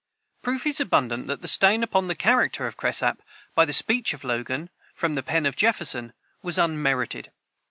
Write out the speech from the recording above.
Proof is abundant that the stain put upon the character of Cresap, by the speech of Logan from the pen of Jefferson, was unmerited.